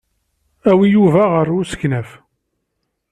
Awi Yuba ɣer usegnaf.